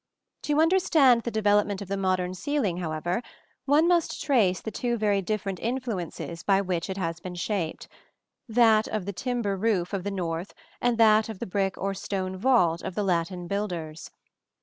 To understand the development of the modern ceiling, however, one must trace the two very different influences by which it has been shaped: that of the timber roof of the North and that of the brick or stone vault of the Latin builders.